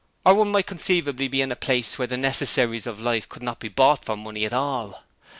Or one might conceivably be in a place where the necessaries of life could not be bought for money at all.